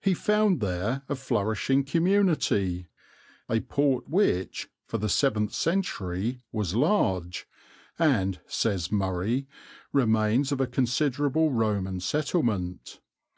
He found there a flourishing community, a port which, for the seventh century, was large, and, says "Murray," remains of a considerable Roman settlement.